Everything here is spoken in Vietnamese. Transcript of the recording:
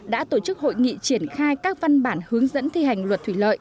đã tổ chức hội nghị triển khai các văn bản hướng dẫn thi hành luật thủy lợi